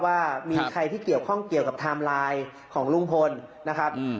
ว่ามีใครที่เกี่ยวข้องเกี่ยวกับไทม์ไลน์ของลุงพลนะครับ